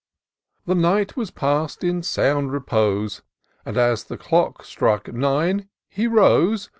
The night was pass'd in sound repose, And as the clock struck nine, he rose.